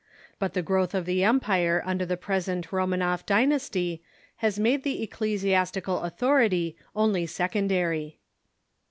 But the growth of the empire under the present Romanoff dynasty has made the ecclesiastical authority only secondary.